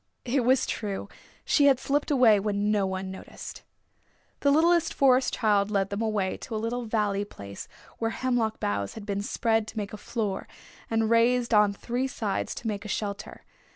It was true, she had slipped away when no one noticed. The littlest Forest Child led them away to a little valley place where hemlock boughs had been spread to make a floor and raised on three sides to make a shelter.